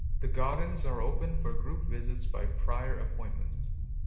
The gardens are open for group visits by prior appointment.